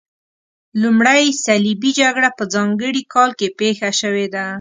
لومړۍ صلیبي جګړه په ځانګړي کال کې پیښه شوې ده.